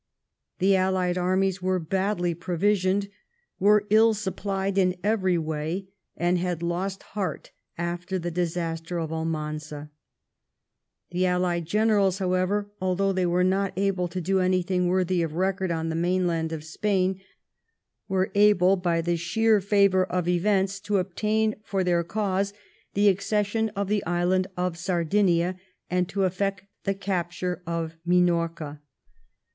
The allied armies were badly provisioned, were ill supplied in every way, and had lost heart after the disaster of Almanza,. The allied generals, however, although they were 1709 PORT MAHON. 31 not able to do anything worthy of record on the mainland of Spain, were able, by the sheer favour of events, to obtain for their cause the accession of the island of Sardinia, and to effect the capture of Minorca.